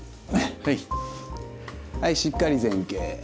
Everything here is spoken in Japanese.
はいしっかり前傾。